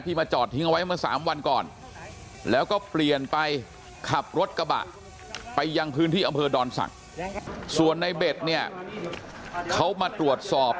ที่มาจอดทิ้งเอาไว้มา๓วันก่อน